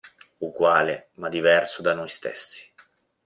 Uguale ma diverso da noi stessi.